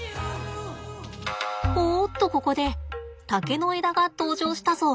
おっとここで竹の枝が登場したぞ。